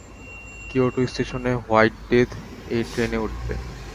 Kyoto স্টেশনে, white death এই ট্রেনে উঠবে।